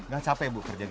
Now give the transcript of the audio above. gak capek bu kerja gini